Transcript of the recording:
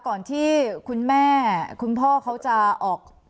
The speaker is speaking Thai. ก่อนที่คุณแม่คุณพ่อเขาจะออก